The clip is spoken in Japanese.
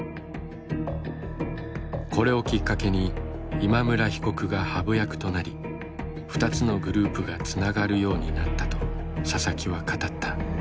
これをきっかけに今村被告がハブ役となり２つのグループがつながるようになったとササキは語った。